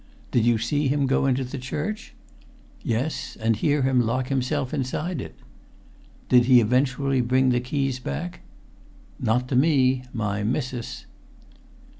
"Did you see him go into the church?" "Yes, and hear him lock himself inside it." "Did he eventually bring the keys back?" "Not to me. My missis."